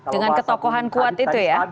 dengan ketokohan kuat itu ya